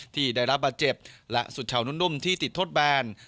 ที่ได้รับบาดเจ็บและสุดชาวนุ่มที่ติดทดแบน